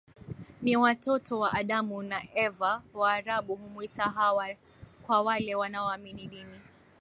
ni watoto wa Adamu na Eva Waarabu humwita Hawa kwa wale wanaoamini dini